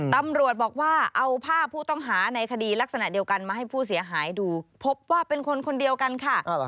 ตำรวจบอกว่าเอาภาพผู้ต้องหาในคดีลักษณะเดียวกันมาให้ผู้เสียหายดูพบว่าเป็นคนคนเดียวกันค่ะ